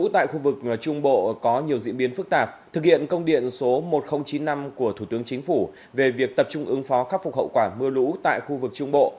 tại khu vực trung bộ một nghìn chín mươi năm của thủ tướng chính phủ về việc tập trung ứng phó khắc phục hậu quả mưa lũ tại khu vực trung bộ